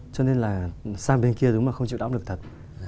cho nên là sang bên kia đúng là không chịu đón được thật